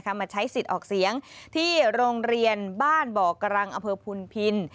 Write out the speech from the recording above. มาใช้สิทธิ์ออกเสียงที่โรงเรียนบ้านบ่อกรังอำเภอพุนพิน